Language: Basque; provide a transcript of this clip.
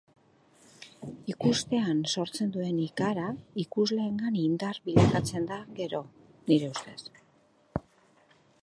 Ikustean sortzen duen ikara ikusleengan indar bilakatzen da gero, nire ustez.